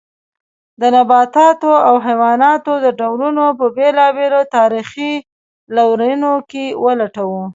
د نباتاتو او حیواناتو د ډولونو په بېلابېلو تاریخي لورینو کې ولټوو.